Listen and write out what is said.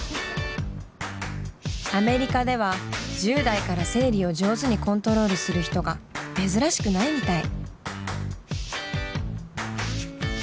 アメリカでは１０代から生理を上手にコントロールする人が珍しくないみたい。